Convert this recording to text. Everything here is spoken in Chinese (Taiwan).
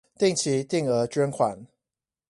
定期定額捐款